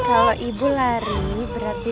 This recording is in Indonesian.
kalau ibu lari berarti